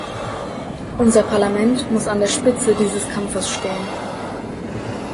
Unser Parlament muss an der Spitze dieses Kampfes stehen.